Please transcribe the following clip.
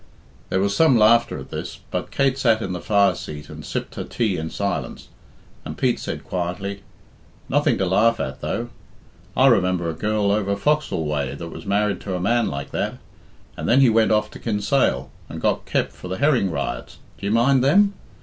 There was some laughter at this, but Kate sat in the fire seat and sipped her tea in silence, and Pete said quietly, "Nothing to laugh at, though. I remember a girl over Foxal way that was married to a man like that, and then he went off to Kinsale, and got kept for the herring riots d'ye mind them?